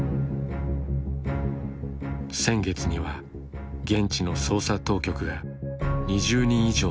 先月には現地の捜査当局が２０人以上の身柄を拘束。